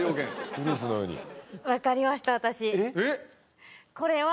フルーツのように分かりました私えっ？